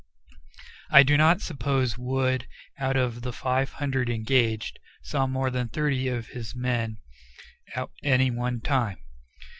I do not suppose Wood, out of the five hundred engaged, saw more than thirty of his men at any one time.